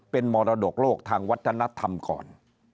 เป็นมรดกโลกทางวัฒนธรรมก่อน